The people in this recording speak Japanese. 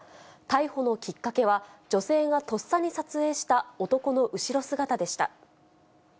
逮捕のきっかけは、女性がとっさに撮影した男の後ろ姿でした。